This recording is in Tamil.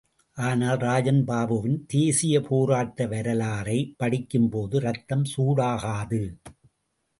ஆனால், ராஜன் பாபுவின் தேசீயப் போராட்ட வரலாறை, படிக்கும்போது, ரத்தம் சூடாகாது.